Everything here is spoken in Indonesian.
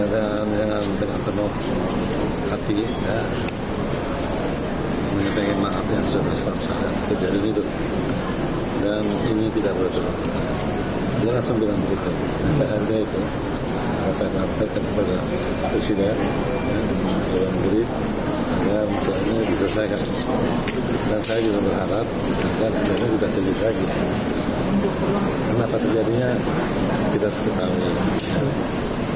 dan kemudian juga terjadi kenapa terjadinya tidak tertahun tahun